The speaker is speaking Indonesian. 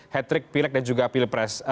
hattrick pilek dan juga pilpres